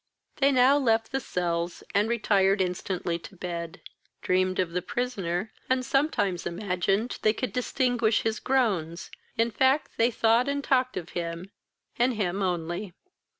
They now left the cells, and retired instantly to bed, dreamed of the prisoner, and sometimes imagined they could distinguish his groans; in fact, they thought and talked of him, and him only.